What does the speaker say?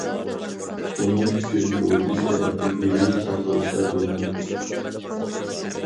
بۇنىڭ ئۈچۈن، بۇ ئۈچ تەرەپتىن بىرى كەم بولسا بولمايدۇ.